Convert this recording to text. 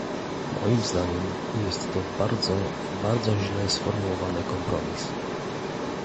Moim zdaniem jest to bardzo, bardzo źle sformułowany kompromis